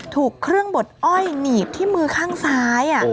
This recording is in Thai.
ถูกเครื่องบดอ้อยหนีบที่มือข้างซ้าย